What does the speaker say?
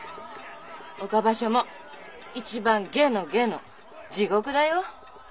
岡場所も一番下の下の地獄だよ。